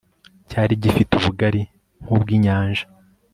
cyari gifite ubugari nk'ubw'inyanja